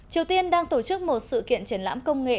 triều tiên đang tổ chức một sự kiện triển lãm công nghệ